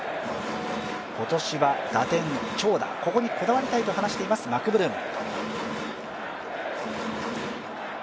今年は打点、長打にこだわりたいと話しているマクブルーム。